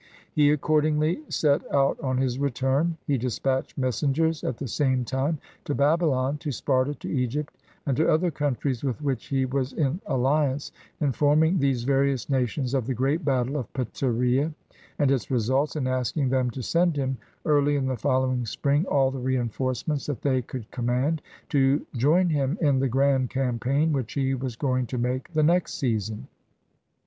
He accordingly set out on his return. He dis patched messengers, at the same time, to Babylon, to Sparta, to Egypt, and to other countries with which he was in alliance, informing these various nations of the great battle of Pteria and its results, and asking them to send him, early in the following spring, all the reinforce ments that they could command, to join him in the grand campaign which he was going to make the next season.